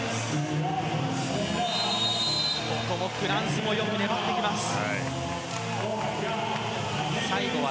フランスもよく粘ってきます。